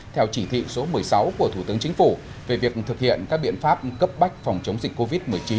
theo chỉ thị số một mươi sáu của thủ tướng chính phủ về việc thực hiện các biện pháp cấp bách phòng chống dịch covid một mươi chín